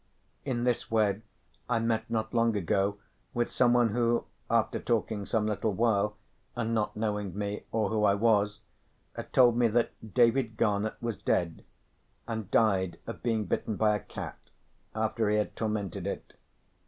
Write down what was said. In this way I met not long ago with someone who, after talking some little while and not knowing me or who I was, told me that David Garnett was dead, and died of being bitten by a cat after he had tormented it.